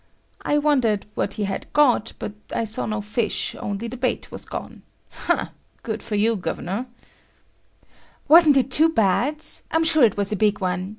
I wondered what he had got, but I saw no fish, only the bait was gone. Ha, good for you, Gov'nur! "Wasn't it too bad! I'm sure it was a big one.